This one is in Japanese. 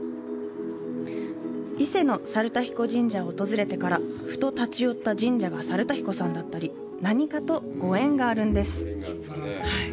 伊勢の猿田彦神社を訪れてから、ふと立ち寄った神社が猿田彦さんだったり、何かとご縁があるんです。